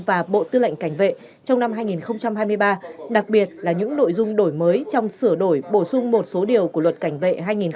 và bộ tư lệnh cảnh vệ trong năm hai nghìn hai mươi ba đặc biệt là những nội dung đổi mới trong sửa đổi bổ sung một số điều của luật cảnh vệ hai nghìn hai mươi ba